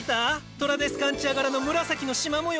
トラデスカンチア柄の紫のしま模様。